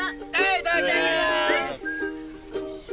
いただきまーす。